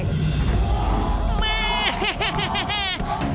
เหมือนธุรกิจ